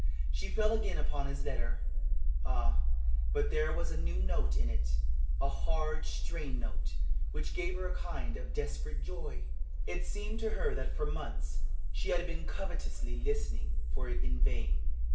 She fell again upon his letter. Ah, but there was a new note in it a hard, strained note, which gave her a kind of desperate joy. It seemed to her that for months she had been covetously listening for it in vain.